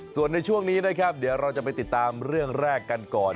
ส่วนในช่วงนี้นะครับเดี๋ยวเราจะไปติดตามเรื่องแรกกันก่อน